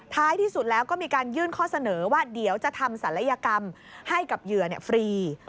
ที่สุดแล้วก็มีการยื่นข้อเสนอว่าเดี๋ยวจะทำศัลยกรรมให้กับเหยื่อฟรี